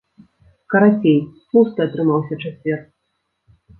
Карацей, тлусты атрымаўся чацвер!